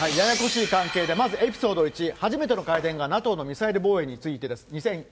ややこしい関係で、まずエピソード１、初めての会談がＮＡＴＯのミサイル防衛についてです。